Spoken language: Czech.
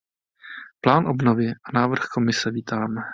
Plán obnovy a návrh Komise vítám.